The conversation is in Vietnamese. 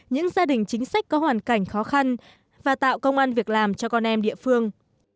những gia đình chính sách có hoàn cảnh khó khăn và tạo công an việc làm cho con em địa phương